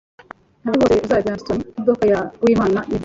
Ntabwo rwose uzajya i Boston mumodoka ya Uwimana, nibyo?